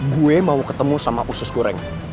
gue mau ketemu sama usus goreng